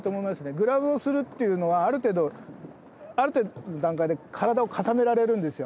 グラブするっていうのはある程度の段階で体を固められるんですよ。